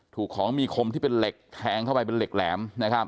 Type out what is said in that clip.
ถูกของมีคมที่เป็นเหล็กแทงเข้าไปเป็นเหล็กแหลม